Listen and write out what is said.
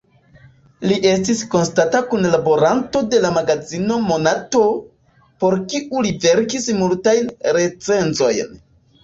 Li estis konstanta kunlaboranto de la magazino "Monato", por kiu li verkis multajn recenzojn.